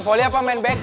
gak usah ditempelin